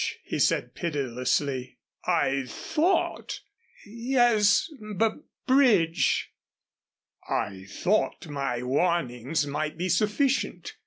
he said, pitilessly, "I thought " "Yes bub bridge." "I thought my warning might be sufficient.